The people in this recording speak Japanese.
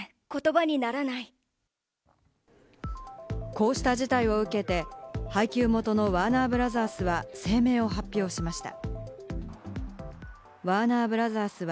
こうした事態を受けて、配給元のワーナー・ブラザースは声明を発表しました。